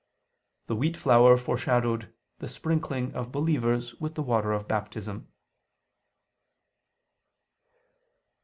"The wheat flour foreshadowed the sprinkling of believers with the water of Baptism."